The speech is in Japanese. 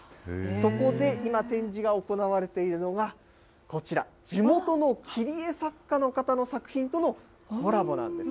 そこで今、展示が行われているのがこちら、地元の切り絵作家の方の作品とのコラボなんです。